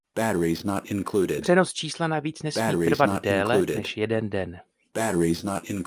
Přenos čísla navíc nesmí trvat déle než jeden den.